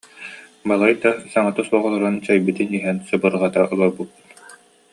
Балайда, саҥата суох олорон, чэйбитин иһэн сыбырҕата олорбуппут